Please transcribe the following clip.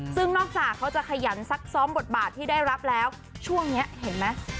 ซึ่งนอกจากเขาจะขยันซักซ้อมบทบาทที่ได้รับแล้วช่วงนี้เห็นไหม